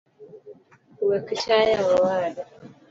Wekchaya owada